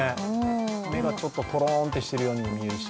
目がちょっとトローンとしているようにも見えるし。